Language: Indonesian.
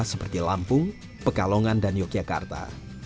seperti lampung pekalongan dan yogyakarta